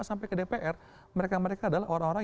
sampai ke dpr mereka mereka adalah orang orang